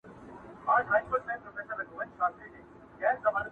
شپې اخیستی لاره ورکه له کاروانه،